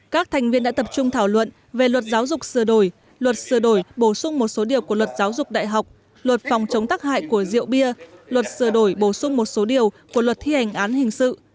các thành viên đã tập trung thảo luận về luật giáo dục sửa đổi luật sửa đổi bổ sung một số điều của luật giáo dục đại học luật phòng chống tắc hại của rượu bia luật sửa đổi bổ sung một số điều của luật thi hành án hình sự